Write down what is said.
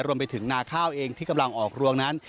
รวมไปถึงนาข้าวเองที่กำลังออกรวงนั้น